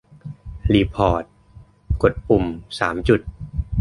รีพอร์ต : กดปุ่มสามจุด